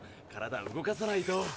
体動かさないと。